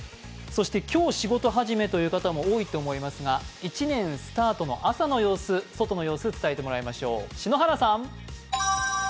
今日、仕事始めという人も多いと思いますが１年スタートの朝の様子、外の様子、伝えてもらいましょう。